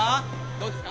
どうですか。